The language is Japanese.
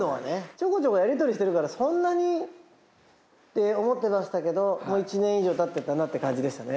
ちょこちょこやり取りしてるからそんなにって思ってましたけどもう１年以上経ってたなって感じでしたね。